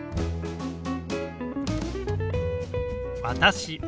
「私」。